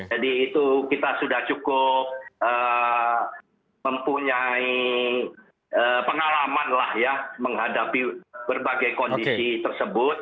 jadi itu kita sudah cukup mempunyai pengalaman lah ya menghadapi berbagai kondisi tersebut